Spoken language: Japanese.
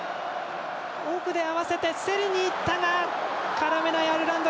奥で合わせて競りに行ったが絡めないアイルランド。